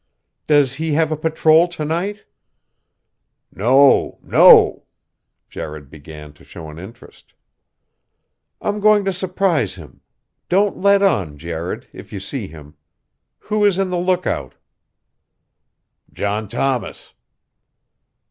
"Does he have a patrol to night?" "No! no!" Jared began to show an interest. "I'm going to surprise him. Don't let on, Jared, if you see him. Who is in the lookout?" "John Thomas."